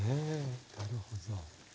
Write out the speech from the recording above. なるほど。